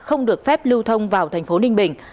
không được phép lưu thông vào thành phố ninh bình